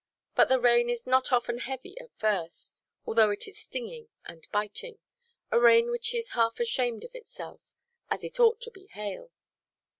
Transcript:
But the rain is not often heavy at first, although it is stinging and biting,—a rain which is half ashamed of itself, as if it ought to be hail.